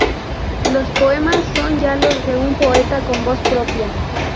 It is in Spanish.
Los poemas son ya los de un poeta con voz propia.